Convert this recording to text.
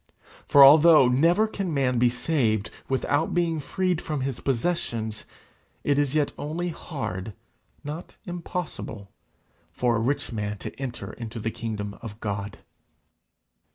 For, although never can man be saved without being freed from his possessions, it is yet only hard, not impossible, for a rich man to enter into the kingdom of God.